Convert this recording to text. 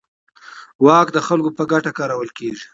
واک د خلکو په ګټه کارول کېږي.